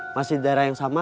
masih daerah yang sama